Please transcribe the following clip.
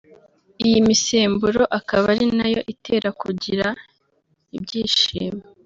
iyi misemburo akaba ari nayo itera kugira ibyishimo